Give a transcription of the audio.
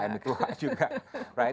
yang tua juga